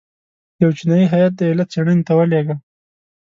یو چینایي هیات د علت څېړنې ته ولېږه.